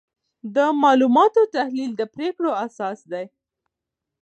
د معلوماتو تحلیل د پریکړو اساس دی.